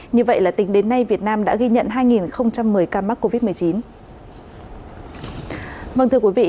như vậy là tính đến nay việt nam đã ghi nhận hai một mươi ca mắc covid một mươi chín